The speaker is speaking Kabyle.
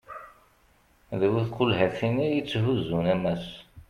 d bu tqulhatin i yetthuzzun ammas